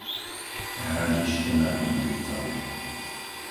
Hradište nad Nitricou